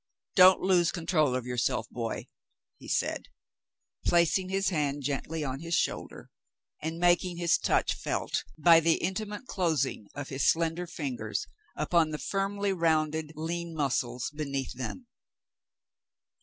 "Don't lose control of yourself, boy," he said, placing his hand gently on his shoulder and making his touch felt by the intimate closing of his slender fingers upon the firmly rounded, lean muscles beneath them.